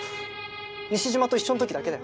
西島と一緒の時だけだよ。